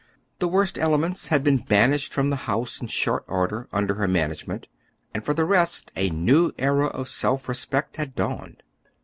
The worst elements had been banished from the house in short order under her management, and for the rest a new era of self respect had dawned.